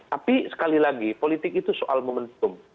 tapi sekali lagi politik itu soal momentum